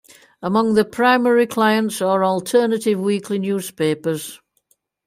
Among the primary clients are alternative weekly newspapers.